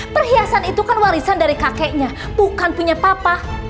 perhiasan itu kan warisan dari kakeknya bukan punya papa